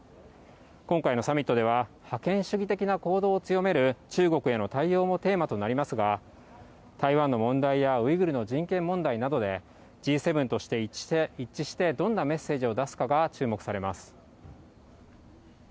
今回のサミットでは、覇権主義的な行動を強める中国への対応もテーマとなりますが、台湾の問題やウイグルの人権問題などで、Ｇ７として一致してどんなメッセージを出すかが注目されます。